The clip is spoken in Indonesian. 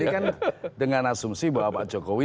ini kan dengan asumsi bahwa pak jokowi